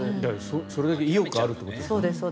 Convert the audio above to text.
それだけ意欲があるということですね。